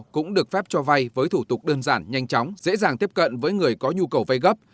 cũng được phép cho vay với thủ tục đơn giản nhanh chóng dễ dàng tiếp cận với người có nhu cầu vay gấp